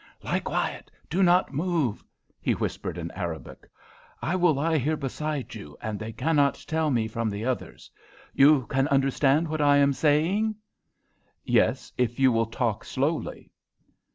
"Lie quiet! Do not move!" he whispered, in Arabic. "I will lie here beside you, and they cannot tell me from the others. You can understand what I am saying?" "Yes, if you will talk slowly."